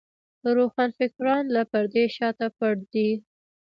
روښانفکران له پردې شاته پټ دي.